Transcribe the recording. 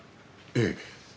ええ。